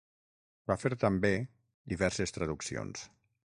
Va fer també diverses traduccions.